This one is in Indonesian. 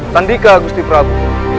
sandika agusti prabu